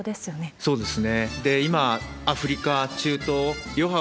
そうですね。